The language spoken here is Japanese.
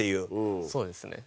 そうですね。